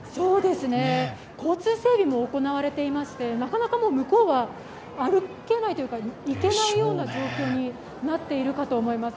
交通整理も行われていましてなかなか向こうは歩けないというか行けないような状況になっているかと思います。